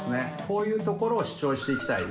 こういうところを主張していきたい